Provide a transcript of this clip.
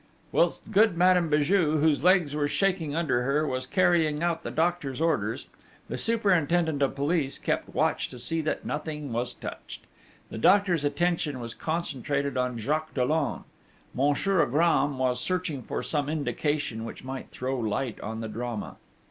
Whilst good Madame Béju, whose legs were shaking under her, was carrying out the doctor's orders, the superintendent of police kept watch to see that nothing was touched. The doctor's attention was concentrated on Jacques Dollon. Monsieur Agram was searching for some indication which might throw light on the drama.